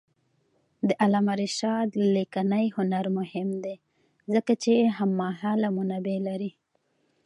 د علامه رشاد لیکنی هنر مهم دی ځکه چې هممهاله منابع لري.